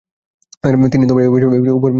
তিনি এই অভিযানের উপ কর্ম পরিচালক ছিলেন।